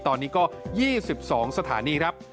ตอนนี้ก็๒๒สถานีครับ